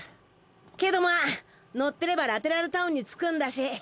けどまあ乗ってればラテラルタウンに着くんだし。